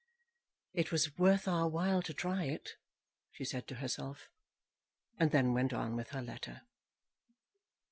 "It was worth our while to try it," she said to herself, and then went on with her letter.